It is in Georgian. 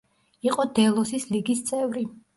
იყო დელოსის ლიგის წევრი.